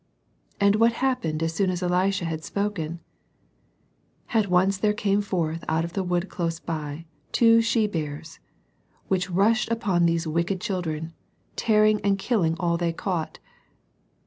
And what happened as soon as Elisha had spoken? At once there came forth out of a wood close by, two she bears, which rushed upon these wicked children, tearing and killing all they caught.